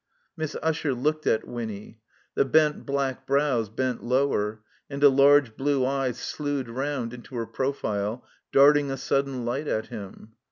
Miss Usher looked at Winny. The bent black brows bent lower, and a large blue eye slued round into her profile, darting a sudden light at him.